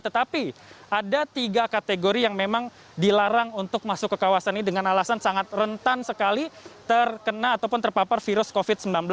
tetapi ada tiga kategori yang memang dilarang untuk masuk ke kawasan ini dengan alasan sangat rentan sekali terkena ataupun terpapar virus covid sembilan belas